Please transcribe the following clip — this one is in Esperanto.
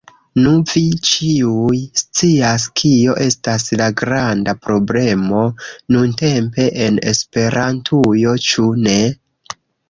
Nu, vi ĉiuj scias kio estas la granda problemo nuntempe en Esperantujo, ĉu ne?